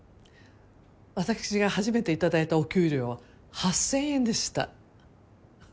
私が初めて頂いたお給料は８，０００円でした。